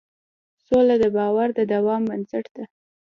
سوله د باور د دوام بنسټ ده.